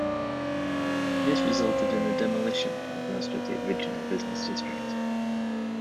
This resulted in the demolition of most of the original business district.